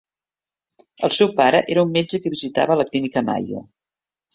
El seu pare era un metge que visitava a la Clínica Mayo.